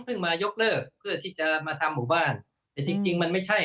มายกเลิกเพื่อที่จะมาทำหมู่บ้านแต่จริงจริงมันไม่ใช่